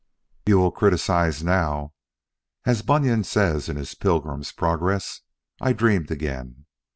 "You will criticise now. As Bunyan says in his 'Pilgrim's Progress': 'I dreamed again!'